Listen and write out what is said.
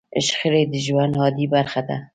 شخړې د ژوند عادي برخه ده.